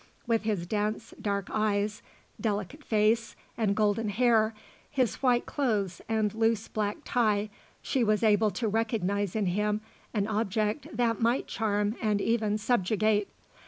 With his dense, dark eyes, delicate face and golden hair, his white clothes and loose black tie, she was able to recognize in him an object that might charm and even subjugate.